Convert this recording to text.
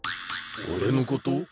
俺のこと？